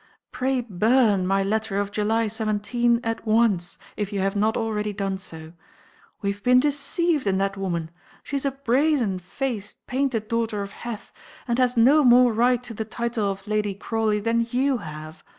Pray burn my letter of July 17 at once, if you have not already done so. {60b} We have been deceived in that woman! She is a brazenfaced, painted daughter of Heth, and has no more right to the title of Lady Crawley than you have.